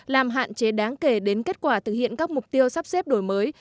làm hạn chế đáng kể đến kết quả thực hiện các mục tiêu sắp xếp đổi mới